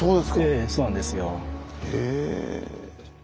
ええそうなんですよ。へえ。